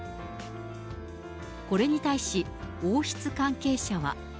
これに対し、王室関係者は。